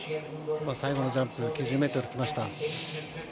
最後のジャンプ、９０ｍきました。